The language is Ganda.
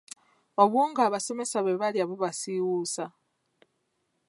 Obuwunga abasomesa bwe balya bubasiiwuusa.